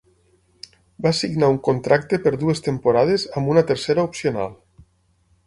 Va signar un contracte per dues temporades amb una tercera opcional.